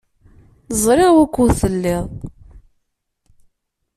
Ẓriɣ wukud telliḍ.